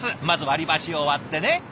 まず割り箸を割ってね。